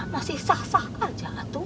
masih sah sah aja tuh